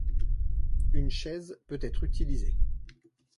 Une chaise peut être utilisée.